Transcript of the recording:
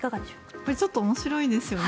これ、ちょっと面白いですよね。